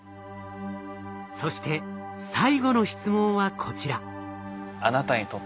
そして最後の質問はこちら。